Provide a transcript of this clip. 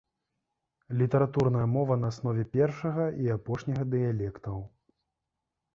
Літаратурная мова на аснове першага і апошняга дыялектаў.